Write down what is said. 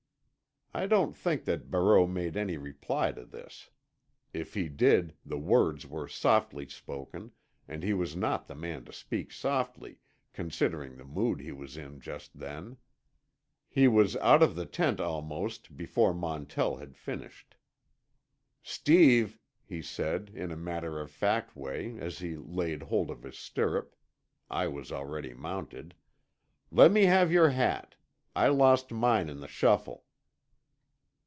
I don't think that Barreau made any reply to this. If he did the words were softly spoken, and he was not the man to speak softly, considering the mood he was in just then. He was out of the tent almost before Montell had finished. "Steve," he said, in a matter of fact way as he laid hold of his stirrup (I was already mounted), "let me have your hat. I lost mine in the shuffle."